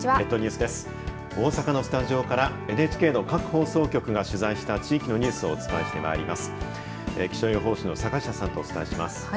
大阪のスタジオからＮＨＫの各放送局が取材した地域のニュースをお伝えしてまいります。